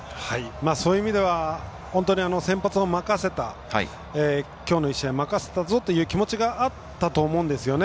そういう意味では本当に先発を任せたきょうの１試合任せたぞという気持ちがあったと思うんですよね。